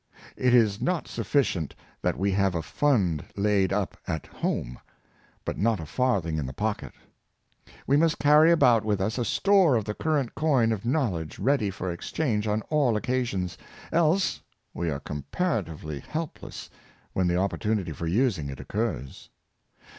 It is not sufficient that we have a fund laid up at home, but not a farthing in the pocket: we must carry about with us a store of the current coin of knoledge ready for exchange on all occasions, else we are compara tively helpless when the opportunity for using it oc curs.